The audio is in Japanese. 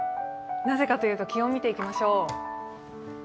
なぜかというと気温を見ていきましょう。